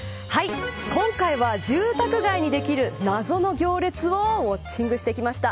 今回は住宅街にできる謎の行列をウオッチングしてきました。